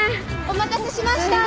お待たせしました。